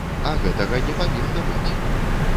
А гэтага не павінна быць!